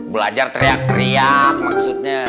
belajar teriak teriak maksudnya